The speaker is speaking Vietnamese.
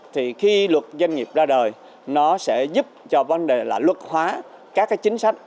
thì khi luật doanh nghiệp ra đời nó sẽ giúp cho vấn đề là luật hóa các cái chính sách